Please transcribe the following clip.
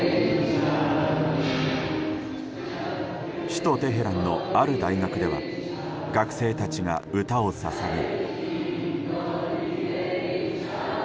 首都テヘランのある大学では学生たちが歌を捧げ。